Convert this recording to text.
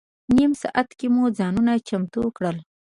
نیم ساعت کې مو ځانونه چمتو کړل.